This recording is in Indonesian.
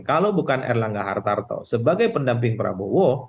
kalau bukan erlangga hartarto sebagai pendamping prabowo